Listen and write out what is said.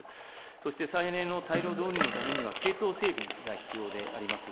そして再エネの大量導入のためには系統整備が必要であります。